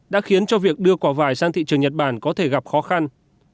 đã khiến cho việc đưa quả vải sang thị trường nhật bản có thể gặp khó khăn